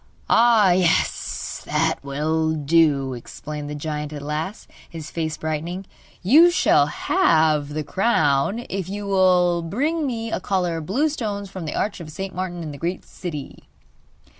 'Ah, yes, that will do!' exclaimed the giant at last, his face brightening. 'You shall have the crown if you will bring me a collar of blue stones from the Arch of St. Martin, in the Great City.